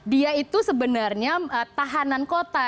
dia itu sebenarnya tahanan kota